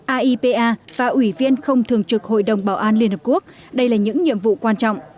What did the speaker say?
aipa và ủy viên không thường trực hội đồng bảo an liên hợp quốc đây là những nhiệm vụ quan trọng